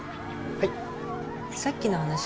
はい。